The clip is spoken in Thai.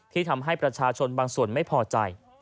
ทำให้ประชาชนบางส่วนไม่พอใจ